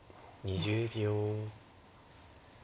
２０秒。